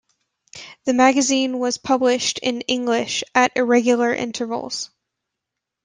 The magazine was published in English at irregular intervals.